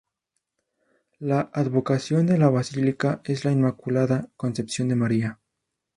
La advocación de la basílica es la Inmaculada Concepción de María.